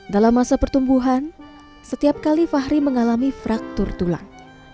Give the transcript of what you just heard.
dalam masa pertumbuhan setiap kali fahri mengalami fraktur tulang